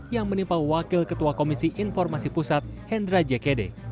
yang menimpa wakil ketua komisi informasi pusat hendra jkd